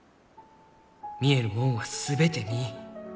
見えるもんは全て見い。